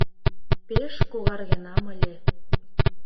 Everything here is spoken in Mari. Пеш когаргенам ыле.